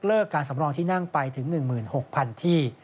การสำรองที่นั่งไปถึง๑๖๐๐๐ที่